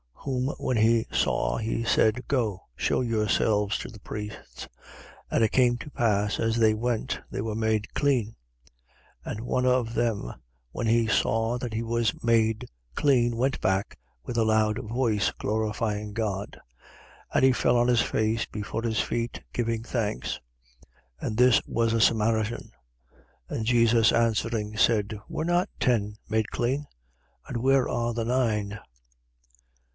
17:14. Whom when he saw, he said: Go, shew yourselves to the priests. And it came to pass, as they went, they were made clean. 17:15. And one of them, when he saw that he was made clean, went back, with a loud voice glorifying God. 17:16. And he fell on his face before his feet, giving thanks. And this was a Samaritan. 17:17. And Jesus answering, said: Were not ten made clean? And where are the nine?